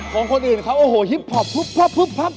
ของคนอื่นเขาโอ้โหฮิปพอปพุบพับ